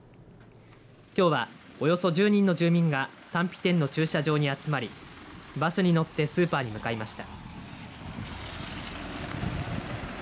きょうは、およそ１０人の住民が丹比店の駐車場に集まりバスに乗ってスーパーに向かいました。